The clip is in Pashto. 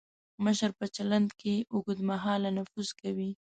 مشر په چلند کې اوږد مهاله نفوذ کوي.